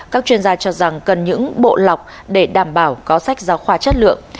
các chuyên gia cho rằng cần những bộ lọc để đảm bảo có sách giáo khoa chất lượng